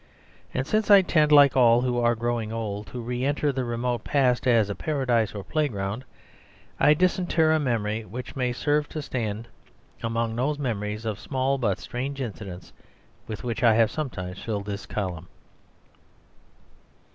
And since I tend, like all who are growing old, to re enter the remote past as a paradise or playground, I disinter a memory which may serve to stand among those memories of small but strange incidents with which I have sometimes filled this column.